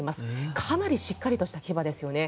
かなりしっかりとした牙ですよね。